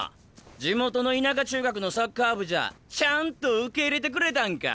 地元の田舎中学のサッカー部じゃちゃんと受け入れてくれたんか。